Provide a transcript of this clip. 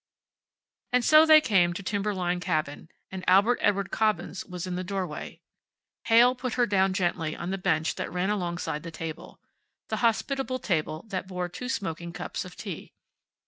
And so they came to Timberline Cabin, and Albert Edward Cobbins was in the doorway. Heyl put her down gently on the bench that ran alongside the table. The hospitable table that bore two smoking cups of tea.